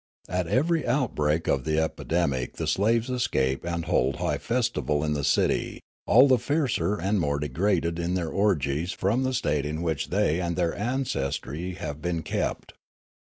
At every outbreak of the epidemic the slaves escape and hold high festival in the city, all the fiercer and more degraded in their orgies from the state in which they and their ancestry have been kept.